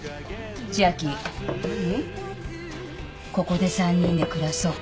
ここで３人で暮らそう。